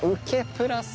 プラス